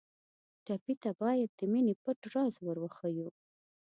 ټپي ته باید د مینې پټ راز ور وښیو.